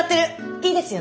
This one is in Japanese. いいですよね。